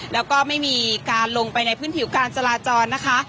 แล้วก็ไม่มีการลงไปในพื้นผิวการจราจรนะคะ